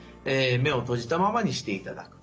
目をとじたままにしていただく。